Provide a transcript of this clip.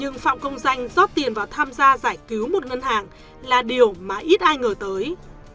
nhưng phạm công danh rót tiền vào tham gia giải cứu một ngân hàng là điều mà ít ai ngờ tới